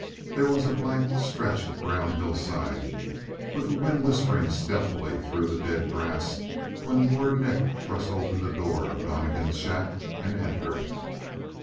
There was a blank stretch of brown hillside with the wind whispering stealthily through the dead grass when Lord Nick thrust open the door of Donnegan's shack and entered.